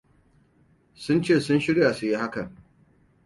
Sun ce sun shirya su yi hakan.